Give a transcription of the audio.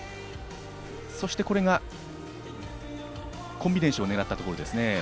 そしてこれがコンビネーションを狙ったところですね。